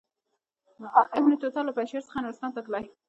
ابن بطوطه له پنجشیر څخه نورستان ته تللی.